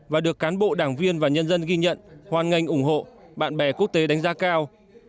và được cán bộ đảng viên và nhân dân ghi nhận hoàn ngành ủng hộ bạn bè quốc tế đánh giá cao